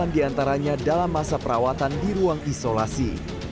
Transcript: delapan diantaranya dalam masa perawatan di ruang isolasi